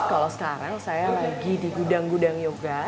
kalau sekarang saya lagi di gudang gudang yoga